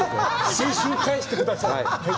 青春を返してください！